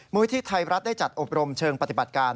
วิธีไทยรัฐได้จัดอบรมเชิงปฏิบัติการ